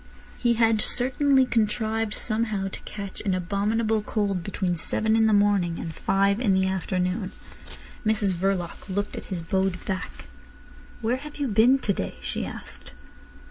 He had certainly contrived somehow to catch an abominable cold between seven in the morning and five in the afternoon. Mrs Verloc looked at his bowed back. "Where have you been to day?" she asked.